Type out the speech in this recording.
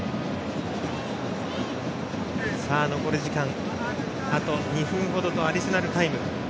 残り時間があと２分程とアディショナルタイム。